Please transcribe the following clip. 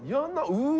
うわ。